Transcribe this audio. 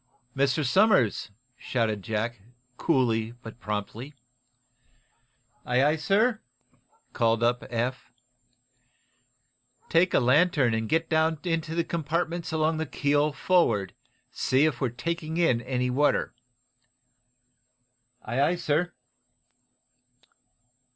"Mr. Somers!" shouted Jack, coolly but promptly. "Aye, sir," called up Eph. "Take a lantern and get down into the compartments along the keel forward. See whether we're taking in any water." "Aye, aye, sir."